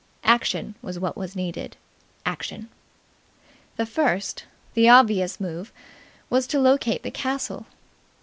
Action was what was needed. Action. The first, the obvious move was to locate the castle.